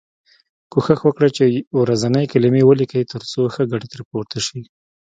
کوښښ وکړی چې ورځنۍ کلمې ولیکی تر څو ښه ګټه ترې پورته شی.